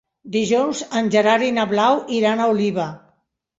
Dijous en Gerard i na Blau iran a Oliva.